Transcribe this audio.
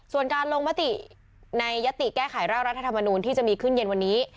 ส่วนการลงมติในยติแก้ไขร่างรัฐธรรมนูลที่จะมีขึ้นเย็นวันนี้